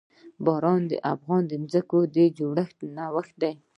باران د افغانستان د ځمکې د جوړښت نښه ده.